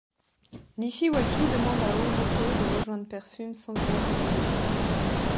Nishiwaki demande à Ōmoto de rejoindre Perfume sans y être autorisée.